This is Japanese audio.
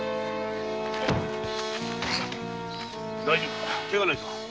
大丈夫か？